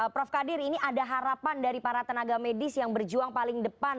prof kadir ini ada harapan dari para tenaga medis yang berjuang paling depan